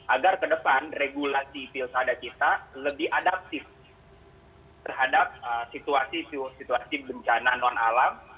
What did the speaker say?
agar ke depan regulasi pilkada kita lebih adaptif terhadap situasi situasi bencana non alam